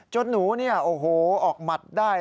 จนหนูนี่โอ้โฮออกหมัดได้